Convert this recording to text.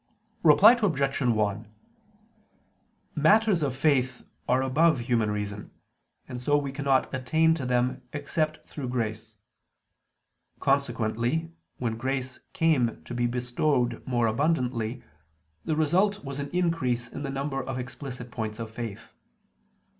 Reply Obj. 1: Matters of faith are above human reason, and so we cannot attain to them except through grace. Consequently, when grace came to be bestowed more abundantly, the result was an increase in the number of explicit points of faith.